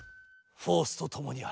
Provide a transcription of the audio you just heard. フォースとともにあれ。